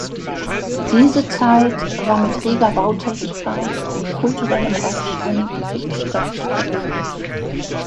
Diese Zeit war mit reger Bautätigkeit und kulturellem Aufschwung für die Stadt verbunden.